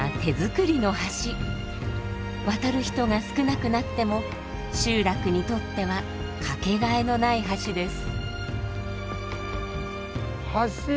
渡る人が少なくなっても集落にとっては掛けがえのない橋です。